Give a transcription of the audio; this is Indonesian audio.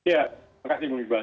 ya makasih bung ibal